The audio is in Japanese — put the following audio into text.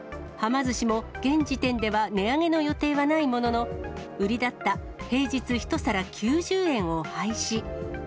ま寿司も、現時点では値上げの予定はないものの、売りだった平日１皿９０円を廃止。